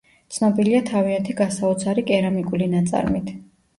ცნობილია თავიანთი გასაოცარი კერამიკული ნაწარმით.